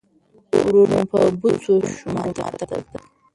ورور مې په بوڅو شونډو ماته کتل.